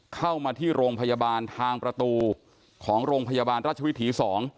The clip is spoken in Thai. เข้ามาที่โรงพยาบาลทางประตูของโรงพยาบาลราชวิถี๒